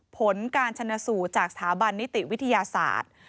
ผลการชนสูตรจากสถาบันนิติวิทยาศาสตร์